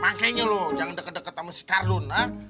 makanya lo jangan deket deket sama si kardun ha